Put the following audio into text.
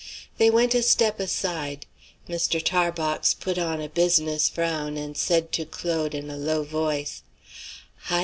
They went a step aside. Mr. Tarbox put on a business frown, and said to Claude in a low voice, "Hi!